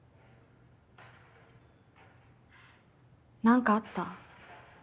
何かあった？